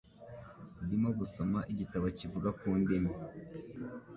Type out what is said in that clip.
Ndimo gusoma igitabo kivuga ku ndimi.